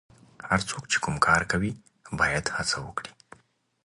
هر څوک چې کوم کار کوي باید هڅه وکړي.